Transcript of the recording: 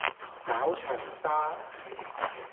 絞腸痧